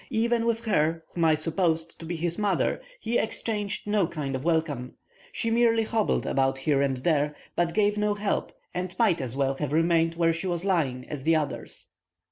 Even with her, whom I supposed to be his mother, he exchanged no kind of welcome. She merely hobbled about here and there, but gave no help, and might as well have remained where she was lying, as the others.